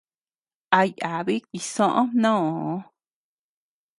A yabi jisoʼö mnoo.